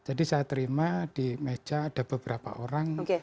jadi saya terima di meja ada beberapa orang